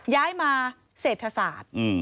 ย้ายมาเศรษฐศาสตร์